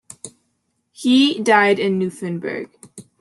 He died in Nymphenburg.